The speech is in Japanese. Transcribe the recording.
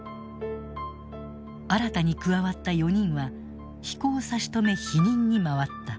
新たに加わった４人は飛行差し止め否認に回った。